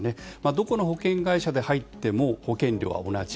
どこの保険会社で入っても保険料は同じ。